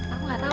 aku gak tau